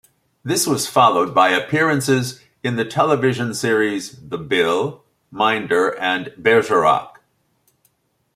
This was followed by appearances in the television series "The Bill", "Minder" and "Bergerac".